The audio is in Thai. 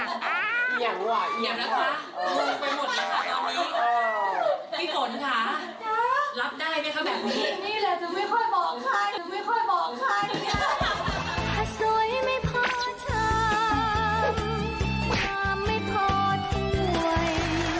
นี่แหละจะไม่ค่อยบอกค่ะจะไม่ค่อยบอกค่ะเนี่ย